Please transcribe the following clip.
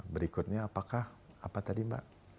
berikutnya apakah apa tadi mbak